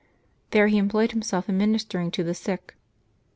There he employed himself in ministering to the sick.